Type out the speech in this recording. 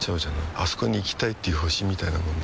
あそこに行きたいっていう星みたいなもんでさ